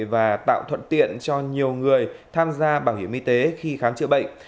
và tạo thuận tiện cho nhiều người tham gia bảo hiểm y tế khi khám chữa bệnh